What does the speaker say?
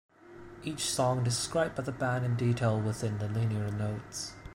Each song is described by the band in detail within the liner notes.